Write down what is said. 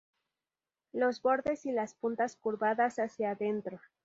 Los bordes y las puntas curvadas hacia adentro.